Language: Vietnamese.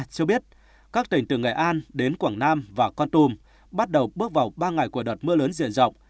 chưa biết các tỉnh từ nghệ an đến quảng nam và con tum bắt đầu bước vào ba ngày của đợt mưa lớn diện rộng